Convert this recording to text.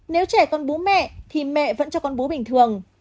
nếu trẻ còn bú mẹ thì mẹ vẫn cho con bú bình thường